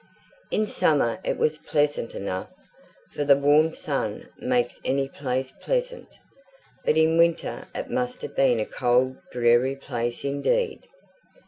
In summer it was pleasant enough, for the warm sun makes any place pleasant. But in winter it must have been a cold dreary place indeed.